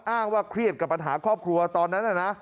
อ้างว่าเครียดกับปัญหาครอบครัวตอนนั้นนะ